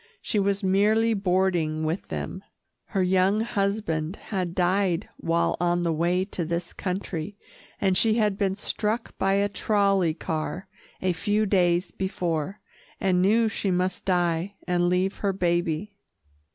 She was merely boarding with them. Her young husband had died while on the way to this country, and she had been struck by a trolley car a few days before, and knew she must die and leave her baby.